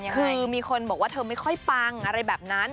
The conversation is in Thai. คือมีคนบอกว่าเธอไม่ค่อยปังอะไรแบบนั้น